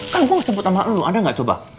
kan gue nggak sebut sama lo ada nggak coba